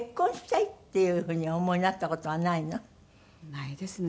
ないですね。